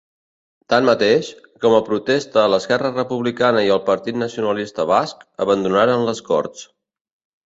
Tanmateix, com a protesta l'Esquerra Republicana i el Partit Nacionalista Basc, abandonaren les Corts.